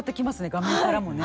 画面からもね。